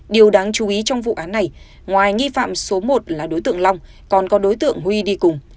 điều đáng chú ý trong vụ án này ngoài nghi phạm số một là đối tượng long còn có đối tượng huy đi cùng